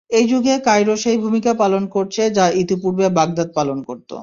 এই যুগে কায়রো সেই ভূমিকা পালন করছে, যা ইতিপূর্বে বাগদাদ পালন করতো।